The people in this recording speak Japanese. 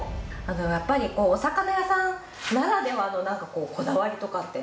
やっぱりお魚屋さんならではのなんかこだわりとかって？